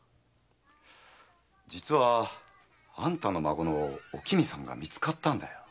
実はあんたの孫のおきみさんが見つかったんだよ。